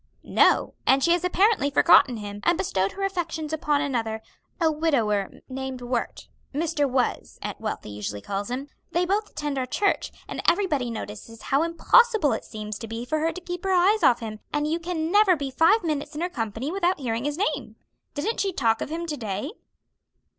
"No, and she has apparently forgotten him, and bestowed her affections upon another; a widower named Wert. Mr. Was, Aunt Wealthy usually calls him. They both attend our church, and everybody notices how impossible it seems to be for her to keep her eyes off him; and you can never be five minutes in her company without hearing his name. Didn't she talk of him to day?"